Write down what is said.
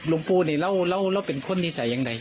ปูนี่เราเป็นคนนิสัยอย่างไร